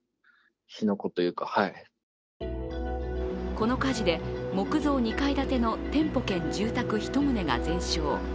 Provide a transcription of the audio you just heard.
この火事で木造２階建ての店舗兼住宅１棟が全焼。